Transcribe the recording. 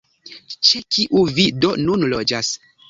Ĉe kiu vi do nun loĝas?